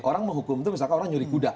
orang menghukum itu misalkan orang nyuri kuda